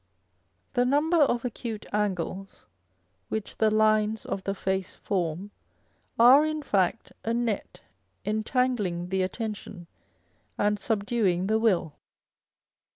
The number of acute angles which the lines of the face form, are, in fact, a net entangling the attention and subduing the will.